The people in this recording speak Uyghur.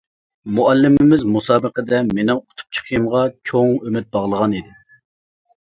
مۇئەللىمىمىز مۇسابىقىدە مېنىڭ ئۇتۇپ چىقىشىمغا چوڭ ئۈمىد باغلىغانىدى.